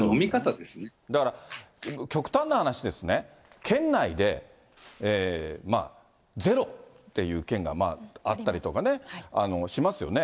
だから極端な話ですね、県内でゼロっていう県があったりとかね、しますよね。